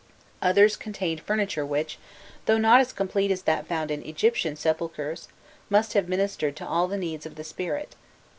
Others contained furniture which, though not as complete as that found in Egyptian sepulchres, must have ministered to all the needs of the spirit.